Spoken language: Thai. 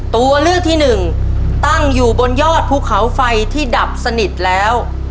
ตัวเลือกที่หนึ่งตั้งอยู่บนยอดภูเขาไฟที่ดับสนิทแล้ว